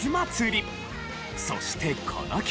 そしてこの曲。